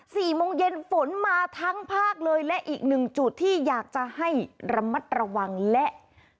สี่โมงเย็นฝนมาทั้งภาคเลยและอีกหนึ่งจุดที่อยากจะให้ระมัดระวังและ